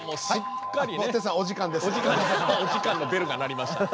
お時間のベルが鳴りました。